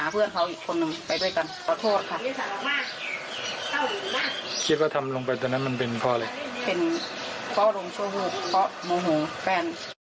เป็นพ่อลุงชั่ววูบพ่อมูหูแฟน